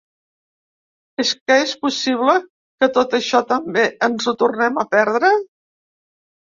És que és possible que tot això també ens ho tornem a perdre?